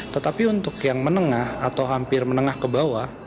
tetapi untuk yang menengah atau hampir menengah ke bawah